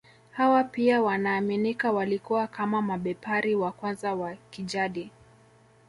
Hawa pia wanaaminika walikuwa kama mabepari wa kwanza wa kijadi